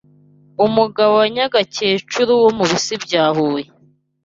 umugabo wa Nyagakecuru wo mu Bisi bya Huye